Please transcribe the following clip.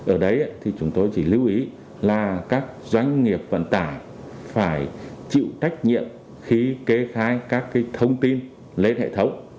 ở đấy thì chúng tôi chỉ lưu ý là các doanh nghiệp vận tải phải chịu trách nhiệm khi kê khai các thông tin lên hệ thống